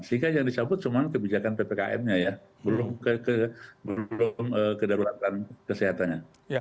sehingga yang dicabut cuman kebijakan ppkm nya ya belum kedaruratan kesehatannya